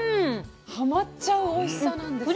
はまっちゃうおいしさなんです。